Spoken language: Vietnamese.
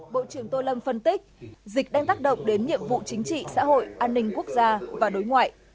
bộ trưởng tô lâm phân tích dịch đang tác động đến nhiệm vụ chính trị xã hội an ninh quốc gia và đối ngoại